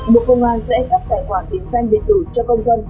bộ công an sẽ cấp tài khoản định danh điện tử cho công dân